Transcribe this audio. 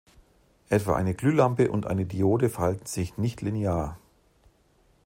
Etwa eine Glühlampe und eine Diode verhalten sich nichtlinear.